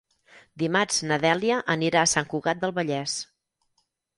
Dimarts na Dèlia anirà a Sant Cugat del Vallès.